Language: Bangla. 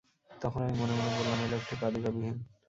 তখন আমি মনে মনে বললাম, এ লোকটি পাদুকাবিহীন।